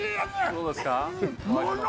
どうですか？